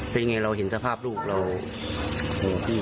เป็นยังไงเราเห็นสภาพลูกเรา